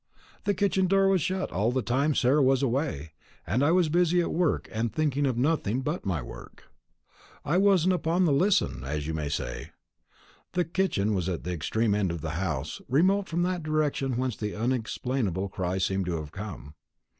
The kitchen door was shut all the time Sarah was away, and I was busy at work, and thinking of nothing but my work. I wasn't upon the listen, as you may say." The kitchen was at the extreme end of the house, remote from that direction whence the unexplainable cry seemed to have come.